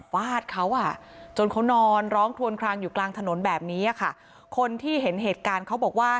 ฟาดเขาอ่ะจนเขานอนร้องคลวนคลางอยู่กลางถนนแบบนี้อ่ะค่ะคนที่เห็นเหตุการณ์เขาบอกว่า